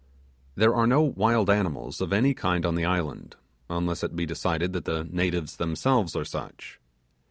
There are no wild animals of any kind on the island unless it be decided that the natives themselves are such.